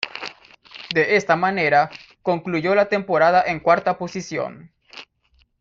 De esta manera, concluyó la temporada en cuarta posición.